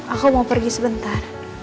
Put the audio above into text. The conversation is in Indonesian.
aku mau pergi sebentar